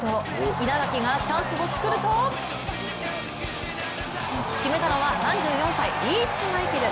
稲垣がチャンスをつくると決めたのは３４歳、リーチマイケル。